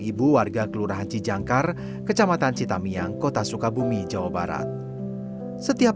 ibu warga kelurahan cijangkar kecamatan citamiang kota sukabumi jawa barat setiap